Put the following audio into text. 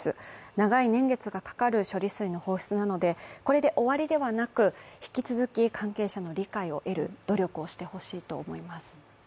長い年月がかかる処理水の放出なので、これで終わりではなく引き続き、関係者の理解を得る努力をしてほしいと思います。